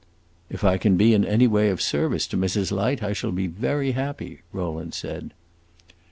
"If I can in any way be of service to Mrs. Light, I shall be happy," Rowland said.